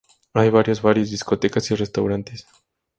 Hay varios bares, discotecas y restaurantes.